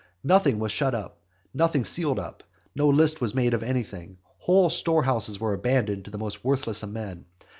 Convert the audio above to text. Nothing was shut up, nothing sealed up, no list was made of anything. Whole storehouses were abandoned to the most worthless of men.